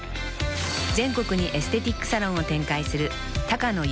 ［全国にエステティックサロンを展開する］